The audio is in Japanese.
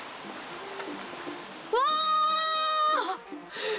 うわ！